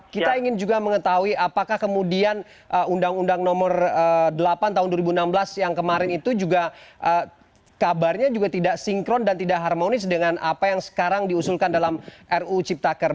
kita ingin juga mengetahui apakah kemudian undang undang nomor delapan tahun dua ribu enam belas yang kemarin itu juga kabarnya juga tidak sinkron dan tidak harmonis dengan apa yang sekarang diusulkan dalam ruu cipta kerja